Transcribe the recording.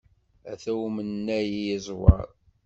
Ata umennay i yeẓwer!